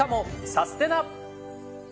サステナ！